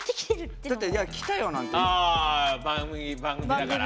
あ番組だから？